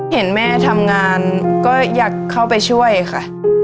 เห็นแม่ทำงานก็อยากเข้าไปช่วยค่ะ